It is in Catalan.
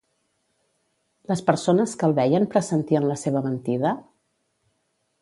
Les persones que el veien pressentien la seva mentida?